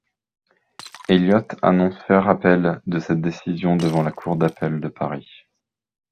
Elliott annonce faire appel de cette décision devant la Cour d'appel de Paris.